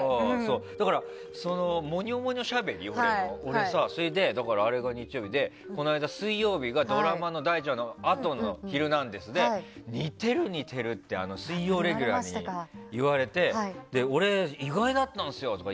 だから、もにょもにょしゃべり俺、あれが日曜日で水曜日がドラマの第１話のあとの「ヒルナンデス！」で似てる、似てるって水曜レギュラーに言われて俺、意外だったんですよとか。